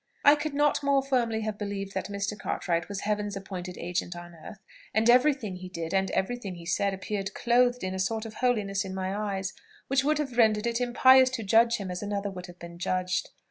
I could not more firmly have believed that Mr. Cartwright was Heaven's appointed agent on earth; and every thing he did and every thing he said appeared clothed in a sort of holiness in my eyes which would have rendered it impious to judge him as another would have been judged.